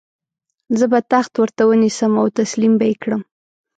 زه به تخت ورته ونیسم او تسلیم به یې کړم.